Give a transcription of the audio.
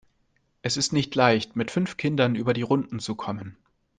Es ist nicht leicht, mit fünf Kindern über die Runden zu kommen.